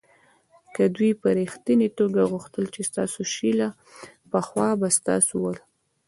که دوی په ریښتني توگه غوښتل چې ستاسو شي له پخوا به ستاسو ول.